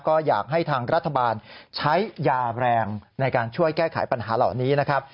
ก็อยากให้ทางรัฐบาลใช้ยาแรงในการช่วยแก้ไขปัญหาเหล่านี้นะครับ